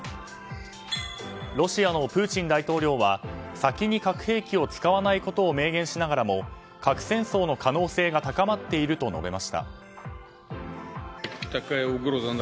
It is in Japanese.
ロシアのプーチン大統領は先に核兵器を使わないことを明言しながらも核戦争の可能性が高まっていると述べました。